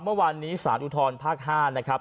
เมื่อวานนี้สารอุทธรภาค๕นะครับ